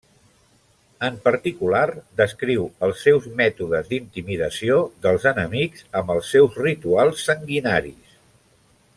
En particular, descriu els seus mètodes d'intimidació dels enemics amb els seus rituals sanguinaris.